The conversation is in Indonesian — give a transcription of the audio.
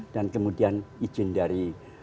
dan kemudian izin dari